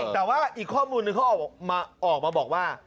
แต่ว่าอีกข้อมูลนึงเขาออกมาบอกว่า